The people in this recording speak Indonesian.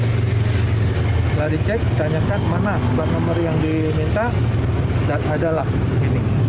setelah dicek tanyakan mana plat nomor yang diminta dan adalah ini